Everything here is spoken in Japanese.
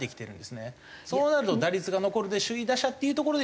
そうなると打率が残るんで首位打者っていうところで。